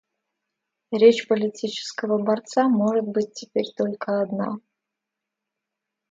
Речь политического борца может быть теперь только одна.